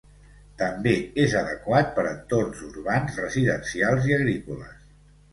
També és adequat per a entorns urbans, residencials i agrícoles.